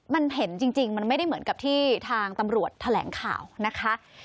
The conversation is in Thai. มันเห็นจริงมันไม่ได้เหมือนกับที่ทางตำรวจแถลงข่าวนะคะ